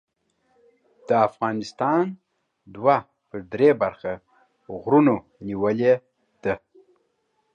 د افغانستان دوه پر درې برخه غرونو نیولې ده.